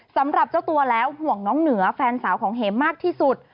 สำหรับเจ้าตัวแล้วห่วงน้องเหนือแฟนสาวของเห็มมากที่สุด